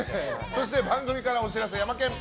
そして番組からお知らせヤマケン。